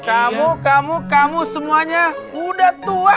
kamu kamu kamu semuanya udah tua